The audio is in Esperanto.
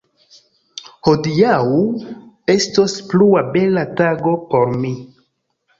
Hodiaŭ estos plua bela tago por mi.